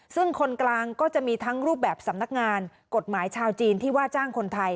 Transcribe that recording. ซึ่งคนกลางก็จะมีทั้งรูปแบบสำนักงานกฎหมายชาวจีนที่ว่าจ้างคนไทย